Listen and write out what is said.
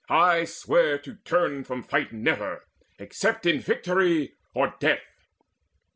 I swear to turn from fight Never, except in victory or death."